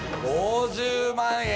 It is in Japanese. ５０万円。